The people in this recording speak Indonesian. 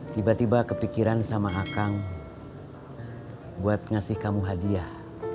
tiba tiba kepikiran sama hakang buat ngasih kamu hadiah